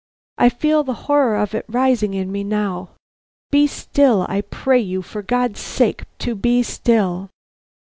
I feel the horror of it rising in me now! Be still! I pray you, for God's sake, to be still!"